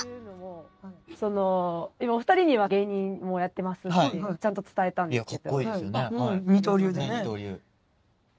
今お二人には芸人もやってますってちゃんと伝えたんですけど。